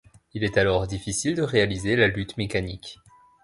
Il est alors difficile de réaliser la lutte mécanique.